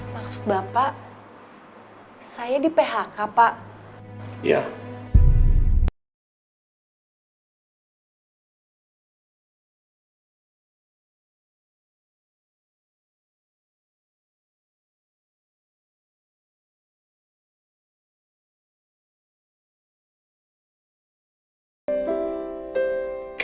maksud bapak saya di phk pak